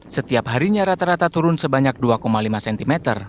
setiap harinya rata rata turun sebanyak dua lima cm